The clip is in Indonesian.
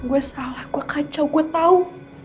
gue salah gue kacau gue tau